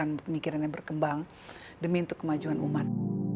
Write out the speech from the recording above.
dan juga melakukan penelitian yang berkembang demi kemajuan umat